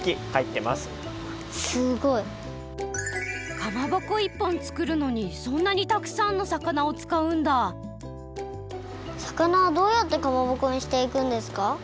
かまぼこ１本作るのにそんなにたくさんの魚をつかうんだ魚をどうやってかまぼこにしていくんですか？